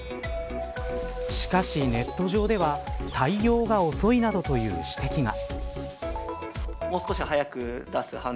しかし、ネット上では対応が遅いなどという指摘が。